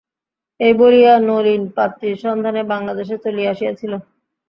এই বলিয়া নলিন পাত্রীর সন্ধানে বাংলাদেশে চলিয়া আসিয়াছিল।